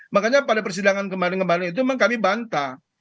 makanya pada persidangan kemarin kemarin itu memang kami bantah